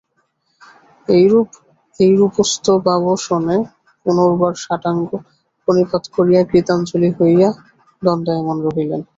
এইরূপস্তবাবসানে পুনর্বার সাষ্টাঙ্গ প্রণিপাত করিয়া কৃতাঞ্জলি হইয়া দণ্ডায়মান রহিলেন।